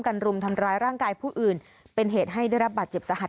รุมทำร้ายร่างกายผู้อื่นเป็นเหตุให้ได้รับบาดเจ็บสาหัส